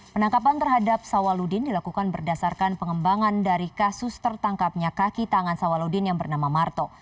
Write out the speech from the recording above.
penangkapan terhadap sawaludin dilakukan berdasarkan pengembangan dari kasus tertangkapnya kaki tangan sawaludin yang bernama marto